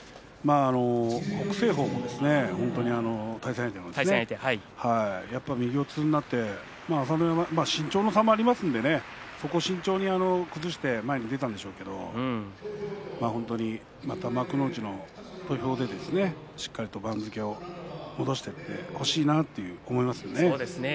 北青鵬、対戦相手右四つになって朝乃山、身長の差もありますので慎重に崩して前に出たんでしょうけども本当に幕内の土俵でしっかりと番付を戻してほしいなと思いますね。